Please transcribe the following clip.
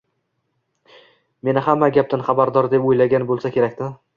Meni hamma gapdan xabardor deb o`ylagan bo`lsa kerak-da